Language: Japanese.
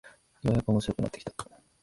ようやく面白くなってきた